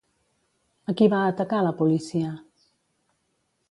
A qui va atacar la policia?